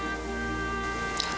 sampai jumpa lagi